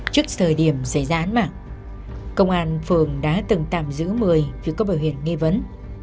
trước thời điểm xảy ra án mạng công an phường đã từng tạm giữ một mươi vì có biểu hiện nghi vấn